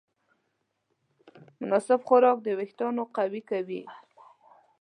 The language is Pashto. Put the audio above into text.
مناسب خوراک وېښتيان قوي کوي.